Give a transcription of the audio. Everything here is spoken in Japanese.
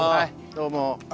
どうも。